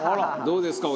「どうですか？